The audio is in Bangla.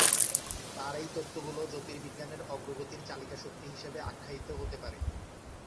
তার এই তত্ত্বগুলো জ্যোতির্বিজ্ঞানের অগ্রগতির চালিকাশক্তি হিসেবে আখ্যায়িত হতে পারে।